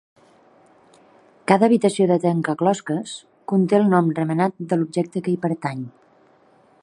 Cada habitació de trencaclosques conté el nom Remenat de l'objecte que hi pertany.